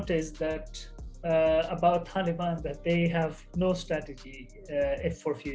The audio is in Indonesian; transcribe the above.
tentang taliban mereka tidak memiliki strategi untuk masa depan